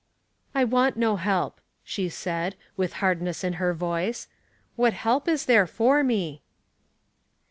'' I want no help," she said, with hardness in her voice. '' What help is there for me